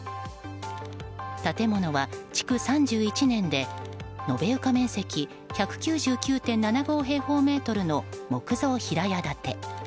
建物は築３１年で、延べ床面積１９９．７５平方メートルの木造平屋建て。